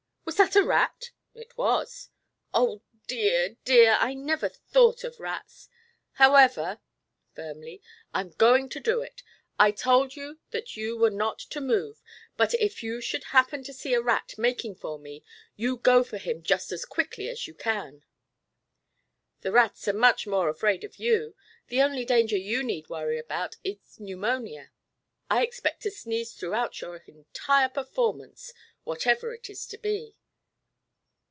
"Was that a rat?" "It was." "Oh, dear! dear! I never thought of rats. However," firmly, "I'm going to do it. I told you that you were not to move; but if you should happen to see a rat making for me, you go for him just as quickly as you can." "The rats are much more afraid of you. The only danger you need worry about is pneumonia. I expect to sneeze throughout your entire performance whatever it is to be."